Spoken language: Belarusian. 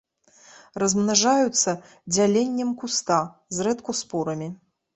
Размнажаюцца дзяленнем куста, зрэдку спорамі.